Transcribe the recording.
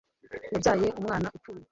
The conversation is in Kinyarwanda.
Yabyaye umwana upfuye